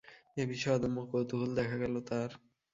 এ বিষয়ে অদম্য কৌতুহল দেখা গেল তার।